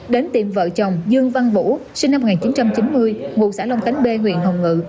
đến tiệm vợ chồng dương văn vũ sinh năm một nghìn chín trăm chín mươi ngụ xã long khánh b huyện hồng ngự